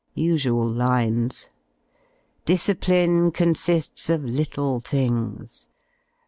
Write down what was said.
Usual lines! Discipline cotisiils of little things